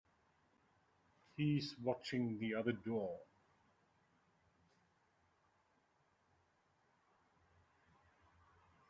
He's watching the other door.